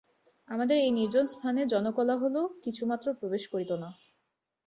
আমাদের এই নির্জন স্থানে জনকোলাহলও কিছুমাত্র প্রবেশ করিত না।